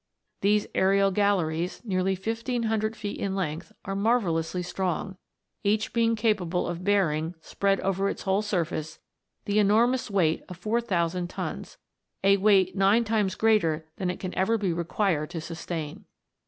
These aerial galleries, nearly fifteen hundred feet in length, are marvellously strong, each being capable of bearing, spread over its whole surface, the enormous weight of 4000 tons a weight nine * Dr. Lardner. 336 THE WONDERFUL LAMP. times greater than it can ever be required to sustain.